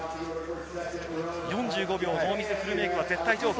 ４５秒ノーミスでフルメイクは絶対条件。